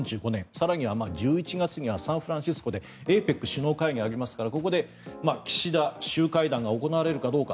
更には１１月にはサンフランシスコでＡＰＥＣ首脳会議がありますからここで岸田・習会談が行われるかどうか。